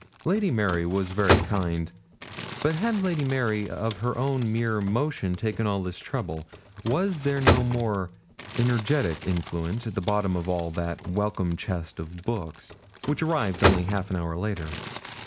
Lady Mary was very kind; but had Lady Mary of her own mere motion taken all this trouble? Was there no more energetic influence at the bottom of that welcome chest of books, which arrived only half an hour later?